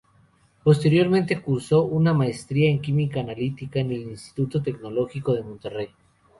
Posteriormente cursó una maestría en Química Analítica en el Instituto Tecnológico de Monterrey.